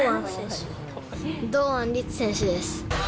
堂安律選手です。